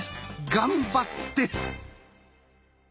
頑張って！